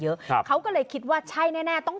ชาวบ้านญาติโปรดแค้นไปดูภาพบรรยากาศขณะ